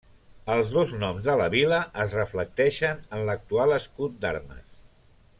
Els dos noms de la vila es reflecteixen en l'actual escut d'armes.